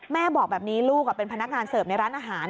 แม่บอกแบบนี้ลูกเป็นพนักงานเสิร์ฟในร้านอาหาร